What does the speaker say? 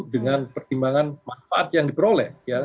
dengan pertimbangan manfaat yang diperoleh